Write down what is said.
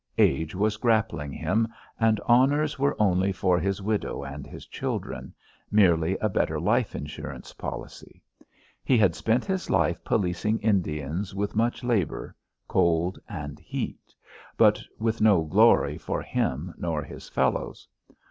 Age was grappling him, and honours were only for his widow and his children merely a better life insurance policy. He had spent his life policing Indians with much labour, cold and heat, but with no glory for him nor his fellows.